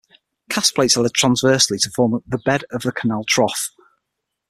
Cast plates are laid transversely to form the bed of the canal trough.